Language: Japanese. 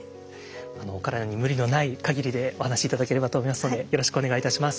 お体に無理のない限りでお話し頂ければと思いますのでよろしくお願いいたします。